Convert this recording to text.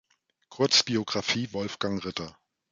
Kurzbiographie Wolfgang Ritter